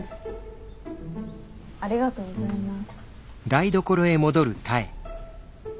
ありがとうございます。